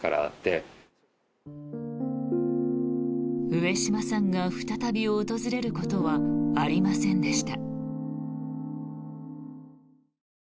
上島さんが再び訪れることはありませんでした。